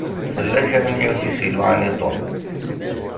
Tella kra n yiwet i s-iluɛan i Tom.